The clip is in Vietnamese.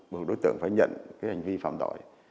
bước đối tượng phải nhận hành vi phạm tội